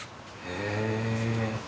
へえ。